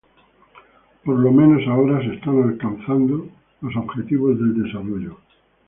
Por lo menos, ahora se están alcanzando los objetivos del desarrollo".